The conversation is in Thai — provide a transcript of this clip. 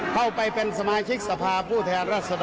เข้าไปเป็นสมาชิกสภาพผู้แทนรัศดร